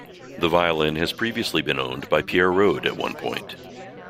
The violin has been previously owned by Pierre Rode at one point.